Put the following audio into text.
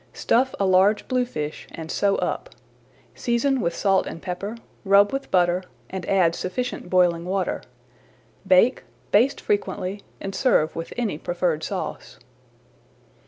Stuff a large bluefish and sew up. Season with salt and pepper, rub with butter, and add sufficient boiling water. Bake, baste frequently, and serve with any preferred sauce.